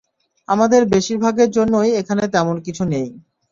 আমাদের বেশিরভাগের জন্যই এখানে তেমন কিছু নেই।